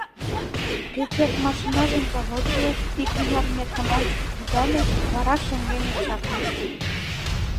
Петер машинажым заводитлыш, икмыняр метрым ончыко кудале, вара шеҥгеке чакныш.